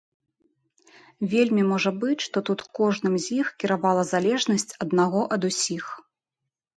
Вельмі можа быць, што тут кожным з іх кіравала залежнасць аднаго ад усіх.